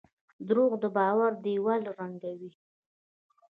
دروغ د باور دیوال ړنګوي.